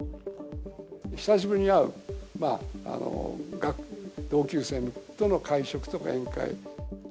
久しぶりに会う同級生との会食とか宴会。